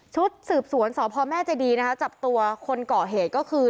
ชุดสืบสวนสพแม่เจดีนะคะจับตัวคนก่อเหตุก็คือ